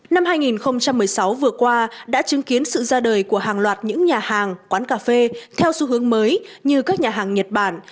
năm hai nghìn một mươi sáu vừa qua đã chứng kiến sự ra đời của hàng loạt những nhà hàng quán cà phê theo xu hướng mới như các nhà hàng nhật bản